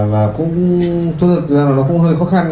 và cũng thực ra là nó cũng hơi khó khăn